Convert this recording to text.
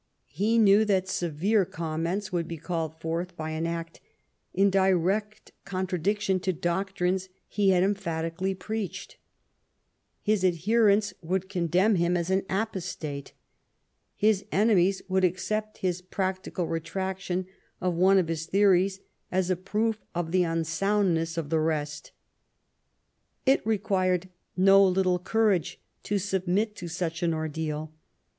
He knew that severe comments would be called forth by an act in direct contradiction to doctrines he had emphatically preached. His adherents would condemn him as an apostate. His enemies would accept his practical retraction of one of his theories as a proof of the unsoundness of the rest. It required no little <;ourage to submit to such an ordeal.